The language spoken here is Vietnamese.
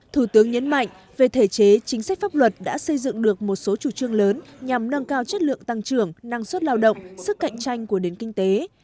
thủ tướng nhấn mạnh về thể chế chính sách pháp luật đã xây dựng được một số chủ trương lớn nhằm nâng cao chất lượng tăng trưởng năng suất lao động sức cạnh tranh của đến kinh tế